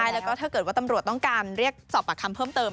แล้วก็ถ้าเกิดว่าตำรวจต้องการเรียกสอบปากคำเพิ่มเติม